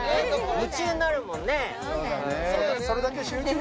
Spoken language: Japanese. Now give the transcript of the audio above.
夢中になるもんね・